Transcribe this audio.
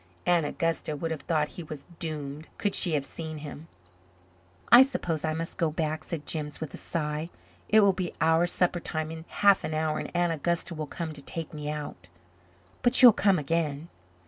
Aunt Augusta would have thought he was doomed, could she have seen him. "I suppose I must go back," said Jims with a sigh. "It will be our supper time in half an hour and Aunt Augusta will come to take me out." "But you'll come again?"